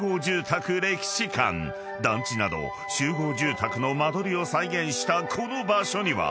［団地など集合住宅の間取りを再現したこの場所には］